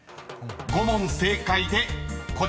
［５問正解でこちら！］